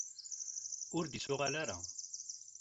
Ur d-ittuɣal ara.